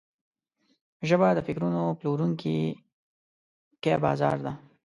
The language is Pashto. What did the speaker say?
ژبه د فکرونو پلورونکی بازار ده